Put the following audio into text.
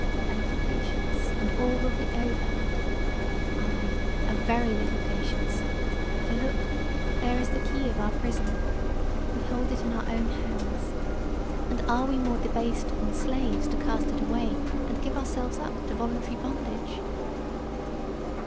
A little patience, and all will be over; aye, a very little patience; for, look, there is the key of our prison; we hold it in our own hands, and are we more debased than slaves to cast it away and give ourselves up to voluntary bondage?